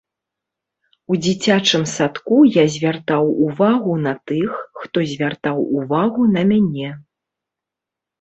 У дзіцячым садку я звяртаў увагу на тых, хто звяртаў увагу на мяне.